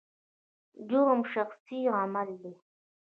جرم شخصي عمل دی.